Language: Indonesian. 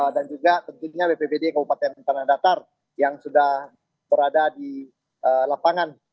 dan juga tentunya bppd kabupaten tanah datar yang sudah berada di lapangan